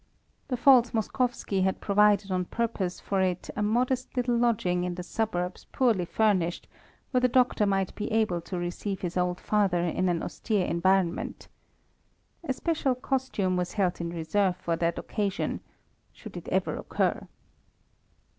The false Moskowski had provided on purpose for it a modest little lodging in the suburbs poorly furnished, where the doctor might be able to receive his old father in an austere environment. A special costume was held in reserve for that occasion should it ever occur.